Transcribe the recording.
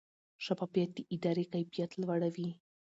شفافیت د ادارې کیفیت لوړوي.